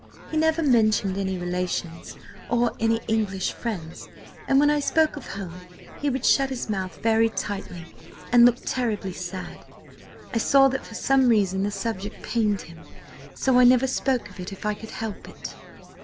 He never mentioned any relations or any English friends, and when I spoke of home, he would shut his mouth very tightly, and look terribly sad. I saw that for some reason the subject pained him, so I never spoke of it if I could help it."